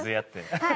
はい。